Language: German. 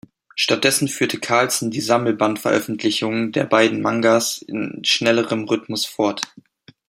Stattdessen führte Carlsen die Sammelband-Veröffentlichungen der beiden Mangas in schnellerem Rhythmus fort.